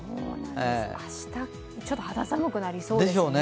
明日、ちょっと肌寒くなりそうですね。